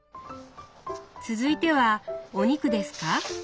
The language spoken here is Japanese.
続いてはお肉ですか？